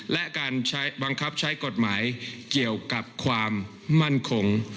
และการใช้บังคับใช้กฎหมายเกี่ยวกับความมั่นคง